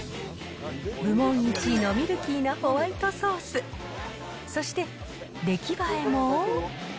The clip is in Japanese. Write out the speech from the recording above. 部門１位のミルキーなホワイトソース、そして、出来栄えも。